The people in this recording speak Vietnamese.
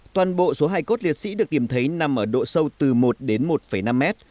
toàn bộ số hải cốt liệt sĩ được tìm thấy nằm ở độ sâu từ một đến một năm mét